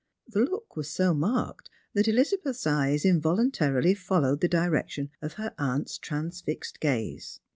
The look was so marked that Elizabeth's eyes involuntarily followed the direction of her aunt's transfixed gaze.